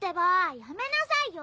やめなさいよ！